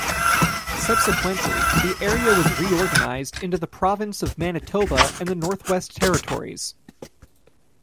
Subsequently, the area was re-organized into the province of Manitoba and the Northwest Territories.